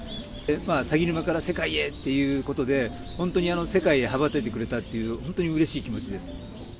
さぎぬまから世界へということで本当に世界へ羽ばたいてくれたという本当にうれしい気持ちです。